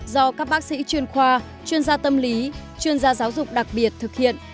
do các bác sĩ chuyên khoa chuyên gia tâm lý chuyên gia giáo dục đặc biệt thực hiện